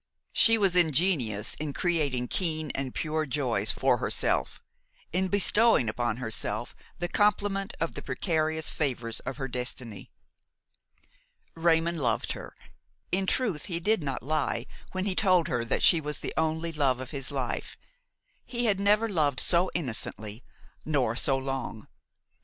She was ingenious in creating keen and pure joys for herself–in bestowing upon herself the complement of the precarious favors of her destiny. Raymon loved her. In truth he did not lie when he told her that she was the only love of his life; he had never loved so innocently nor so long.